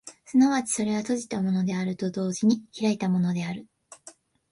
即ちそれは閉じたものであると同時に開いたものである。